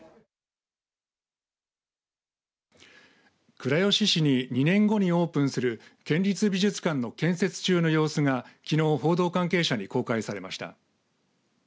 倉吉市に２年後にオープンする県立美術館の建設中の様子がきのう報道関係者に公開されました。